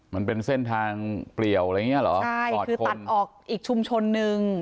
มันเป็นเส้นทางเปลี่ยวอะไรอย่างเงี้เหรอใช่คือตัดออกอีกชุมชนนึง